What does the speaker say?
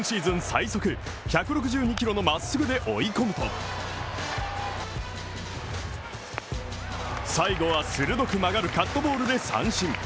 最速１６２キロの真っすぐで追い込むと最後は鋭く曲がるカットボールで三振。